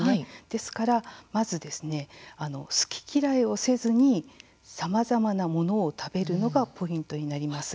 ですから、まず好き嫌いをせずにさまざまなものを食べるのがポイントになります。